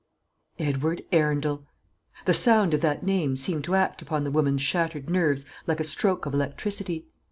Edward Arundel! The sound of that name seemed to act upon the woman's shattered nerves like a stroke of electricity.